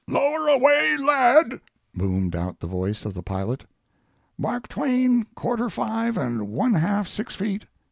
"Lower away lead!" boomed out the voice of the pilot. "Mark twain, quarter five and one half six feet!"